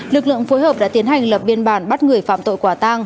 lực lượng phối hợp đã tiến hành lập biên bản bắt người phạm tội quả tang